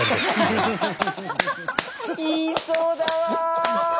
言いそうだわ。